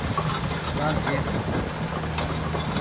— Газет!